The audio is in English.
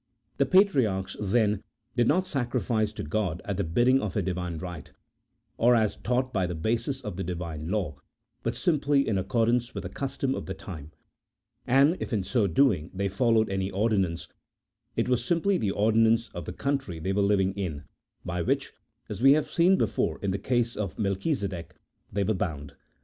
73 The patriarchs, then, did not sacrifice to God at the bidding of a Divine right, or as taught by the basis of the Divine law, but simply in accordance with the custom of the time ; and, if in so doing they followed any ordinance, it was simply the ordinance of the country they were living in, by which (as we have seen before in the case of Mel chisedek) they were bound.